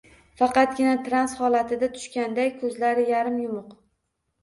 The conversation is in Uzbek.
Faqatgina trans holatiga tushganday ko‘zlari yarim yumuq